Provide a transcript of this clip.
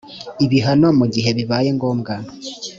ibihano mu gihe bibaye ngombwa